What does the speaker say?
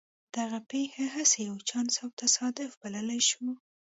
دغه پېښه هسې يو چانس او تصادف بللای شو.